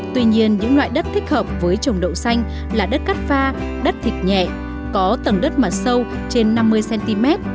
tuy nhiên những loại đất thích hợp với trồng đậu xanh là đất cắt pha đất thịt nhẹ có tầng đất mặt sâu trên năm mươi cm